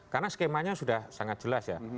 karena skemanya sudah sangat jelas ya